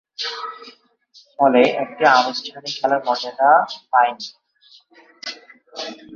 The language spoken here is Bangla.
ফলে, এটি আনুষ্ঠানিক খেলার মর্যাদা পায়নি।